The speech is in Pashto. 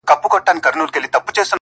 o همدا اوس وايم درته؛